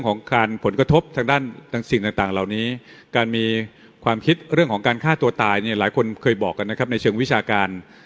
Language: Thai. การมีความคิดเรื่องของการฆ่าตัวตายหลายคนเคยบอกกันนะครับในเชิงวิชาการ